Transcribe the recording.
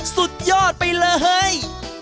สุดยอดไปเลย